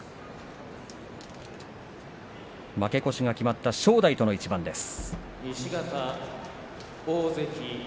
負け越しが決まった正代との一番です。